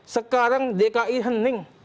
sekarang dki hening